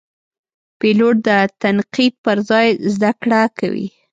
پیلوټ د تنقید پر ځای زده کړه کوي.